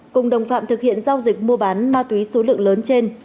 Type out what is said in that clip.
cùng đồng phạm thực hiện giao dịch mua bán ma túy số lượng lớn trên